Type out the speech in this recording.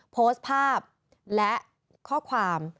โพสต์ภาพและข้อความ